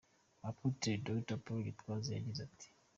Apotre Dr Paul Gitwaza yagize ati: .